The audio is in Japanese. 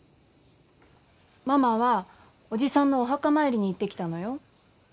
ママは叔父さんのお墓参りに行ってきたのよ。